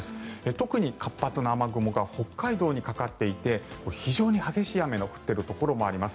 特に活発な雨雲が北海道にかかっていて非常に激しい雨が降っているところもあります。